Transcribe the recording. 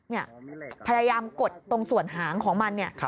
นี่พยายามกดตรงส่วนหางของมัน